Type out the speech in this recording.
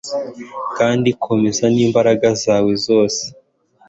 Kandi komeza nimbaraga zawe zose